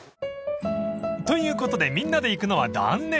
［ということでみんなで行くのは断念］